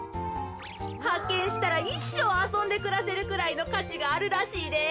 はっけんしたらいっしょうあそんでくらせるくらいのかちがあるらしいで。